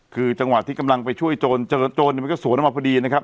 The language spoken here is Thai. คือจังหวะที่กำลังไปช่วยโจรเจอโจรมันก็สวนออกมาพอดีนะครับ